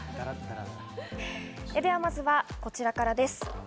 では、まずはこちらからです。